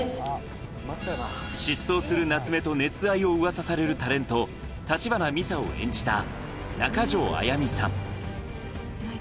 失踪する夏目と熱愛をうわさされるタレント、橘美沙を演じた中条あやみさん。